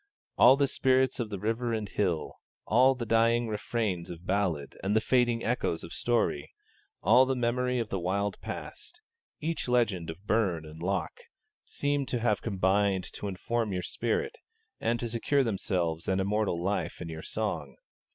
All the spirits of the river and the hill, all the dying refrains of ballad and the fading echoes of story, all the memory of the wild past, each legend of burn and loch, seem to have combined to inform your spirit, and to secure themselves an immortal life in your song.